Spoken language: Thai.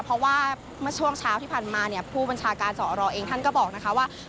เพราะว่าเมื่อช่วงเช้าที่ผ่านมาเนี่ยผู้บัญชาการสอรเองท่านก็บอกนะคะว่า